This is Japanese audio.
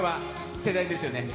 世代ですよね。